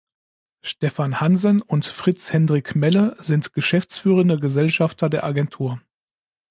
Stefan Hansen und Fritz Hendrick Melle sind geschäftsführende Gesellschafter der Agentur.